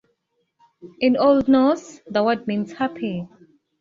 In Old Norse the word means "happy".